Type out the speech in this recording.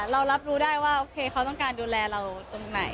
เรารับรู้ได้ว่าโอเคเขาต้องการดูแลเราตรงไหน